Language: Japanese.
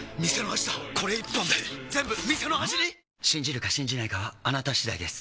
信じるか信じないかはあなた次第です